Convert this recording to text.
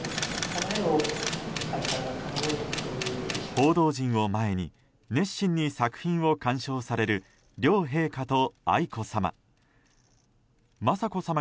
報道陣を前に熱心に作品を鑑賞される両陛下と愛子さま。